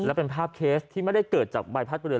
และเป็นภาพเคสที่ไม่ได้เกิดจากใบพัดเรือ